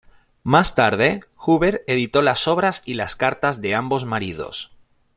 Más tarde, Huber editó las obras y las cartas de ambos maridos.